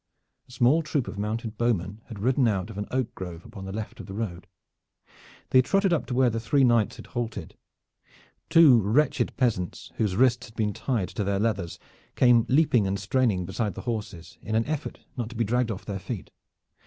A small troop of mounted bowmen had ridden out of an oak grove upon the left of the road. They trotted up to where the three knights had halted. Two wretched peasants whose wrists had been tied to their leathers came leaping and straining beside the horses in their effort not to be dragged off their feet.